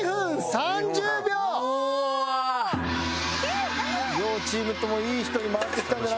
両チームともいい人に回ってきたんじゃないでしょうか。